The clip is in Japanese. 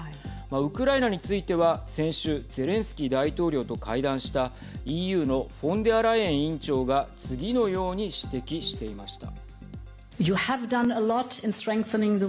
ウクライナについては先週ゼレンスキー大統領と会談したＥＵのフォンデアライエン委員長が次のように指摘していました。